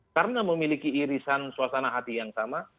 karena memiliki irisan suasana hati yang sama